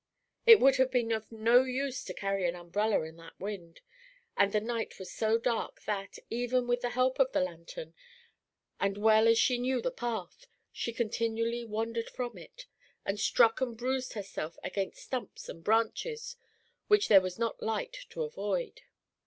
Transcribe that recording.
It would have been of no use to carry an umbrella in that wind, and the night was so dark that, even with the help of the lantern, and well as she knew the path, she continually wandered from it, and struck and bruised herself against stumps and branches which there was not light to avoid.